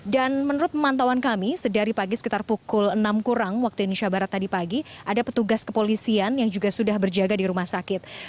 dan menurut pemantauan kami dari pagi sekitar pukul enam kurang waktu indonesia barat tadi pagi ada petugas kepolisian yang juga sudah berjaga di rumah sakit